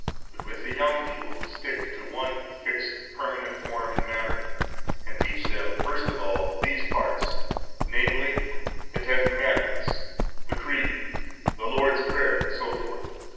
But with the young people stick to one fixed, permanent form and manner, and teach them, first of all, these parts, namely, the Ten Commandments, the Creed, the Lord's Prayer, etc.